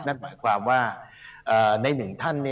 นั่นหมายความว่าในหนึ่งท่าน